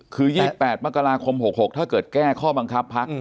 คือ๒๘มกราคม๖๖ถ้าเกิดแก้ข้อบังคับพัก